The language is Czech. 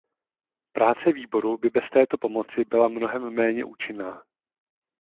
Práce výboru by bez této pomoci byla mnohem méně účinná.